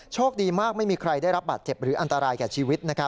โชคดีมากไม่มีใครได้รับบาดเจ็บหรืออันตรายแก่ชีวิต